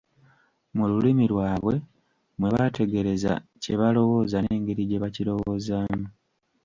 Mu lulimi lwabwe mwe baategereza kye balowooza n'engeri gye bakirowoozaamu.